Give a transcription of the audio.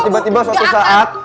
tiba tiba suatu saat